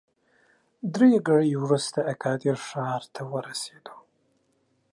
درې ګړۍ وروسته اګادیر ښار ته ورسېدو.